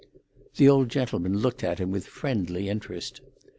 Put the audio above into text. The old gentleman looked at him with friendly interest.